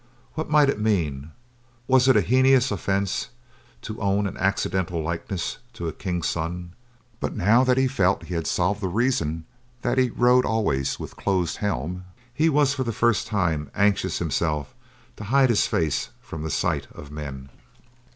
What might it mean? Was it a heinous offence to own an accidental likeness to a king's son? But now that he felt he had solved the reason that he rode always with closed helm, he was for the first time anxious himself to hide his face from the sight of men.